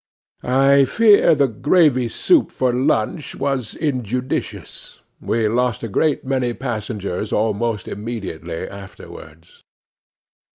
I fear the gravy soup for lunch was injudicious. We lost a great many passengers almost immediately afterwards.